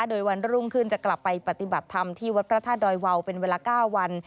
โดยวันรุ่งขึ้นจะกลับไปปฏิบัติธรรมที่วัดพระธาตุดอยวาวเป็นเวลา๙วัน